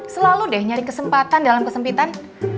selalu deh nyari kesempatan dalam kesempitan